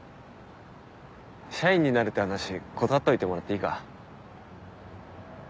社員になるって話断っといてもらっていいか？